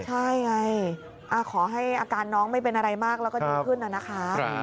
ใช่ไงขอให้อาการน้องไม่เป็นอะไรมากแล้วก็ดีขึ้นนะคะ